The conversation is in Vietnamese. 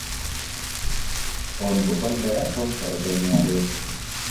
Hồn của con bé không thể về nhà được